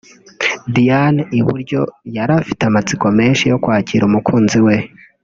Diane (iburyo) yari afite amatsiko menshi yo kwakira umukunzi we